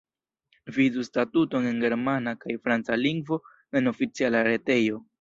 Vidu statuton en germana kaj franca lingvo en oficiala retejo.